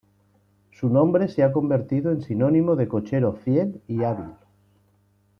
Su nombre se ha convertido en sinónimo de cochero fiel y hábil.